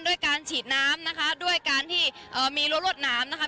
ด้วยการฉีดน้ำนะคะด้วยการที่มีลวดน้ำนะคะ